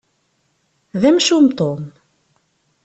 D amcum, Tom.